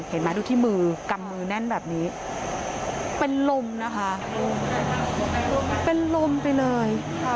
เห็นไหมดูที่มือกำมือแน่นแบบนี้เป็นลมนะคะเป็นลมไปเลย